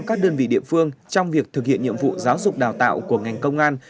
các đơn vị địa phương trong việc thực hiện nhiệm vụ giáo dục đào tạo của ngành công an